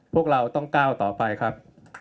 พวกเราต้องก้าวต่อไปครับ